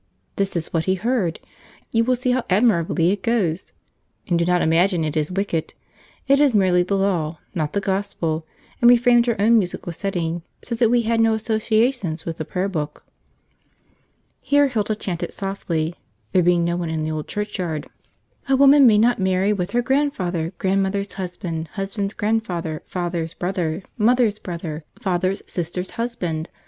This is what he heard you will see how admirably it goes! And do not imagine it is wicked: it is merely the Law, not the Gospel, and we framed our own musical settings, so that we had no associations with the Prayer Book." Here Hilda chanted softly, there being no one in the old churchyard: "A woman may not marry with her Grandfather. Grandmother's Husband, Husband's Grandfather.. Father's Brother. Mother's Brother. Father's Sister's Husband..